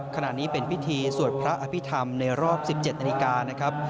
ขณะนี้เป็นพิธีสวดพระอภิษฐรรมในรอบ๑๗นาฬิกานะครับ